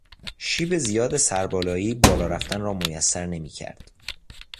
شیب زیاد سربالایی، بالا رفتن را میسر نمیکرد.